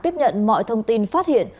tiếp nhận mọi thông tin phát hiện